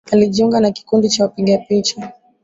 Alijiunga na kikundi cha wapiga picha